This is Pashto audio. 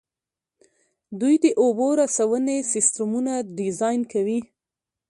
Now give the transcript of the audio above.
دوی د اوبو رسونې سیسټمونه ډیزاین کوي.